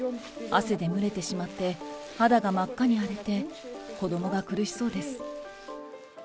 汗でむれてしまって、肌が真っ赤に荒れて、子どもが苦しそうです。